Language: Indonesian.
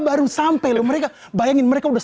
baru sampai loh mereka bayangin mereka udah